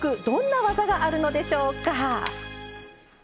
どんな技があるのでしょうか。